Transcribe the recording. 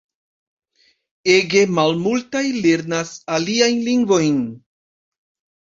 Ege malmultaj lernas aliajn lingvojn.